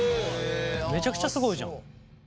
めちゃくちゃすごいじゃん。